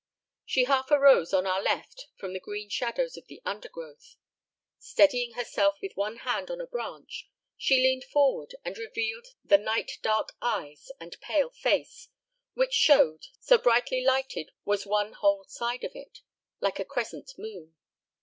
She half arose on our left from the green shadows of the undergrowth. Steadying herself with one hand on a branch, she leaned forward and revealed the night dark eyes and pale face, which showed so brightly lighted was one whole side of it like a crescent moon.